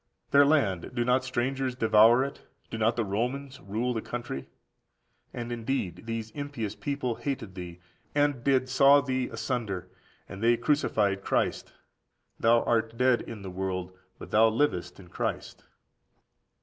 Their land, do not strangers devour it? Do not the Romans rule the country? And indeed these impious people hated thee, and did saw thee asunder, and they crucified Christ. Thou art dead in the world, but thou livest in Christ.